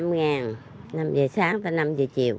một mươi năm ngàn năm h sáng tới năm h chiều